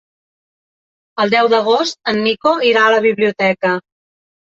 El deu d'agost en Nico irà a la biblioteca.